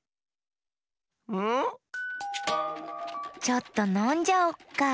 ちょっとのんじゃおっか！